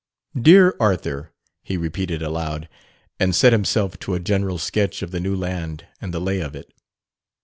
"Dear Arthur," he repeated aloud, and set himself to a general sketch of the new land and the "lay" of it.